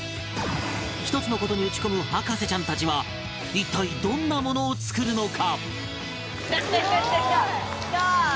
一つの事に打ち込む博士ちゃんたちは一体どんなものを作るのか？